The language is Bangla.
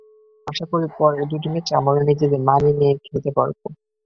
আশা করি, পরের দুটি ম্যাচে আমরা নিজেদের মানিয়ে নিয়ে খেলতে পারব।